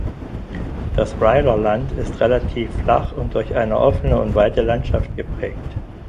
Das Rheiderland ist relativ flach und durch eine offene und weite Landschaft geprägt.